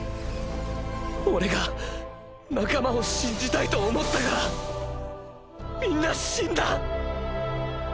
オレが仲間を信じたいと思ったからみんな死んだ。